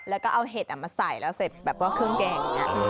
แล้วก็เอาเห็ดมาใส่แล้วเสร็จแบบว่าเครื่องแกงอย่างนี้